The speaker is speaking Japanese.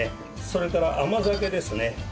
それから甘酒ですね。